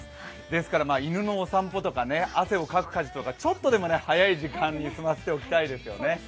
ですから犬のお散歩とか汗をかく家事とか、ちょっとでも早い時間に済ませておきたいですね。